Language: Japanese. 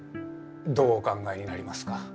どうお考えになりますか。